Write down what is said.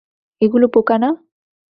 এগুলো পোকা না?